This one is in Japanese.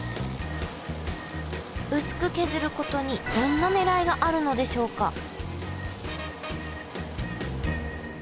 薄く削ることにどんなねらいがあるのでしょうか？